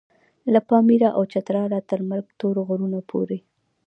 له پاميره او چتراله تر ملک تور غرونو پورې.